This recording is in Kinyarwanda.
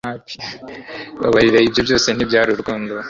babarira - ibyo byose ntibyari urukundo